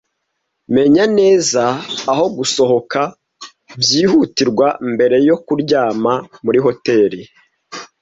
Menya neza aho gusohoka byihutirwa mbere yo kuryama muri hoteri.